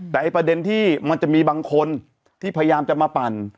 แต่ประเด็นที่มันจะมีบางคนที่พยายามจะมาปั่น